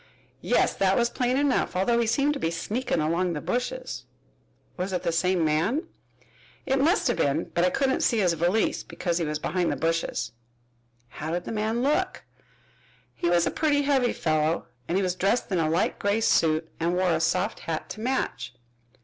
"Yes, that was plain enough, although he seemed to be sneakin' along the bushes." "Was it the same man?" "It must have been, but I couldn't see his valise, because he was behind the bushes." "How did the man look?" "He was a putty heavy fellow and he was dressed in a light gray suit and wore a soft hat to match."